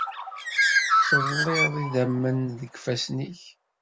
Teḍliḍ d idammen deg ifassen-ik.